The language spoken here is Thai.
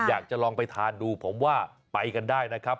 อยากจะลองไปทานดูผมว่าไปกันได้นะครับ